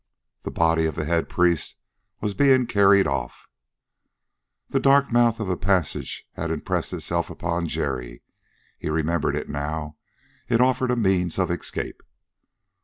The body of the head priest was being carried off. The dark mouth of a passage had impressed itself upon Jerry; he remembered it now. It offered a means of escape.